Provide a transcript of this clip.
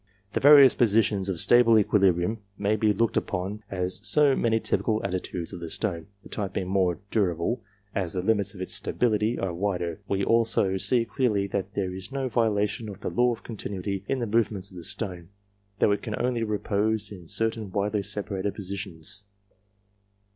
The various positions of stable equilibrium may be looked upon as so many typical attitudes of the stone, the type being more durable as the limits of its stability are wider. We also see clearly that there is no violation of the law of continuity in the movements of the stone, though it can only repose in certain widely separated positions.